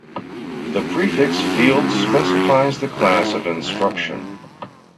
The prefix field specifies the class of instruction.